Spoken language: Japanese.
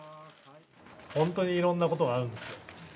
本当にいろんなことがあるんですよ。